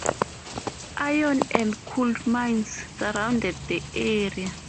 Iron and coal mines surrounded the area.